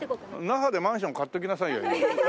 那覇でマンション買っておきなさいよ今。